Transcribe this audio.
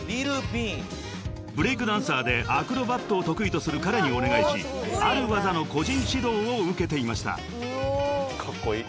［ブレイクダンサーでアクロバットを得意とする彼にお願いしある技の個人指導を受けていました］